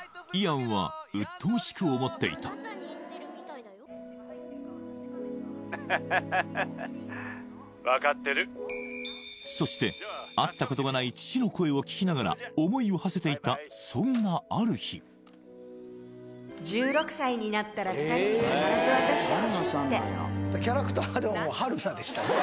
イアンはハッハッハ分かってるそして会ったことがない父の声を聴きながら思いをはせていたそんなある日１６歳になったら２人に必ず渡してほしいってキャラクターはでももう春菜でしたね